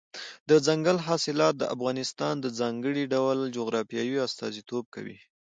دځنګل حاصلات د افغانستان د ځانګړي ډول جغرافیې استازیتوب کوي.